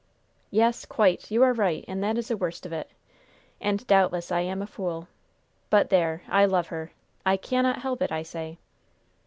"Yes, quite! You are right, and that is the worst of it! And doubtless I am a fool! But there! I love her! I cannot help it, I say!"